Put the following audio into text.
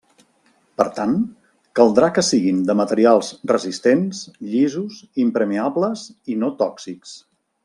Per tant, caldrà que siguin de materials resistents, llisos, impermeables i no tòxics.